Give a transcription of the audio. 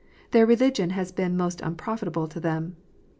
Their religion has been most unprofitable to them.